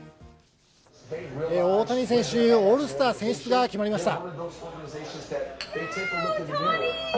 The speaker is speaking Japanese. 大谷選手のオールスター選出が決まりました！